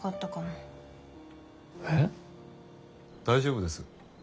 大丈夫です。